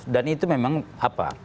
dan itu memang apa